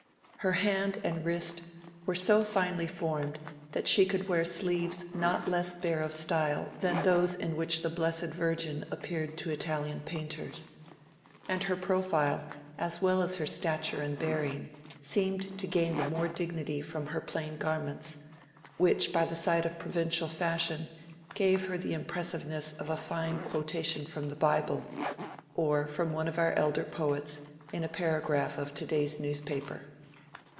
Her hand and wrist were so finely formed that she could wear sleeves not less bare of style than those in which the Blessed Virgin appeared to Italian painters; and her profile as well as her stature and bearing seemed to gain the more dignity from her plain garments, which by the side of provincial fashion gave her the impressiveness of a fine quotation from the Bible,—or from one of our elder poets,—in a paragraph of to day's newspaper.